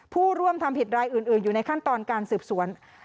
ผู้ร่วมทำผิดรายอื่นอยู่ในขั้นตอนการสืบสวน